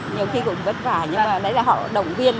nhiều khi cũng vất vả nhưng mà đấy là họ động viên